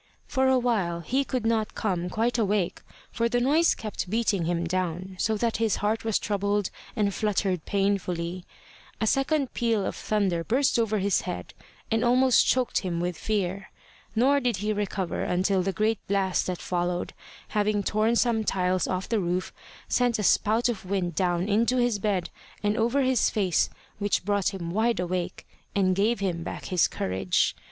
For a while he could not come quite awake, for the noise kept beating him down, so that his heart was troubled and fluttered painfully. A second peal of thunder burst over his head, and almost choked him with fear. Nor did he recover until the great blast that followed, having torn some tiles off the roof, sent a spout of wind down into his bed and over his face, which brought him wide awake, and gave him back his courage.